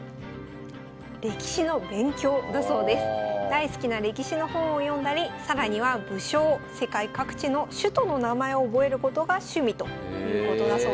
大好きな歴史の本を読んだり更には武将世界各地の首都の名前を覚えることが趣味ということだそうです。